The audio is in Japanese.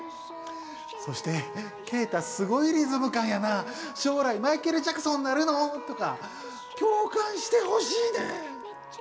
そして、ケイタすごいリズム感やな、将来、マイケルジャクソンなるのとか共感してほしいねん。